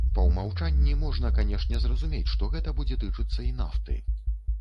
Па ўмаўчанні, можна, канешне, зразумець, што гэта будзе тычыцца і нафты.